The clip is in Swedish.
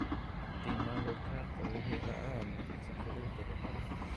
Dimman låg tät över hela ön liksom förut över havet.